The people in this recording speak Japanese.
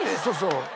そうそう。